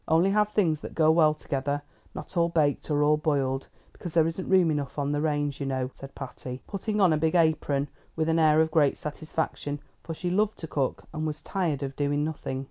Only have things that go well together, not all baked or all boiled, because there isn't room enough on the range, you know;" said Patty, putting on a big apron with an air of great satisfaction; for she loved to cook, and was tired of doing nothing.